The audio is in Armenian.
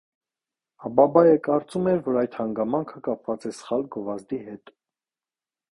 Աբաբայը կարծում էր, որ այդ հանգամանքը կապված է սխալ գովազդի հետ։